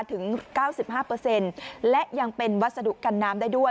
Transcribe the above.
ถึง๙๕และยังเป็นวัสดุกันน้ำได้ด้วย